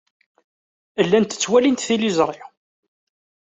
Llant ttwalint tiliẓri.